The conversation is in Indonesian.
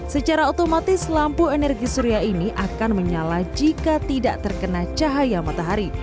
secara otomatis lampu energi surya ini akan menyala jika tidak terkena cahaya matahari